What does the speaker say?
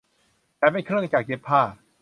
ฉันเป็นเครื่องจักรเย็บผ้า